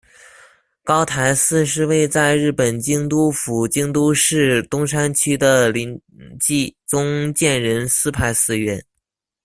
高台寺是位在日本京都府京都市东山区的临济宗建仁寺派寺院。